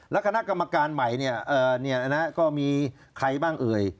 แล้วคณะกรรมการใหม่ก็มีใครบ้างเอ่ย